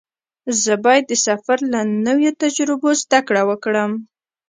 زه باید د سفر له نویو تجربو زده کړه وکړم.